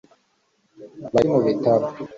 buvuriza KAYITESI mu Bitaro